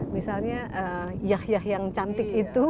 misalnya yah yah yang cantik itu